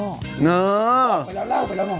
เล่าไปแล้ว